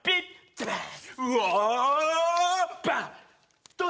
ザバーン